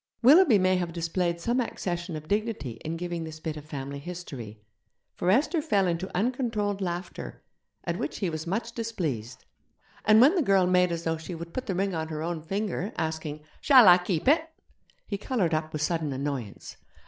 Willoughby may have displayed some accession of dignity in giving this bit of family history, for Esther fell into uncontrolled laughter, at which he was much displeased. And when the girl made as though she would put the ring on her own finger, asking, 'Shall I keep it?' he coloured up with sudden annoyance.